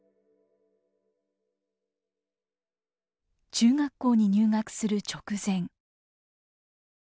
中学校に入学する直前。